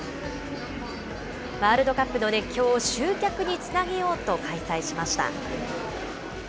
ワールドカップの熱狂を集客につなげようと開催しました。